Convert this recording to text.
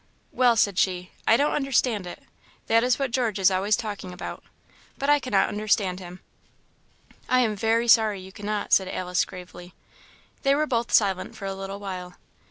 "Well," said she, "I don't understand it; that is what George is always talking about; but I can't understand him." "I am very sorry you cannot," said Alice, gravely. They were both silent for a little while.